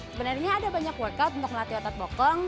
sebenarnya ada banyak workout untuk melatih otot bokong